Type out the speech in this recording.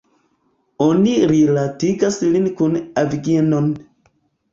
Oni rilatigas lin kun Avignon.